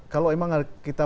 kalau yang kita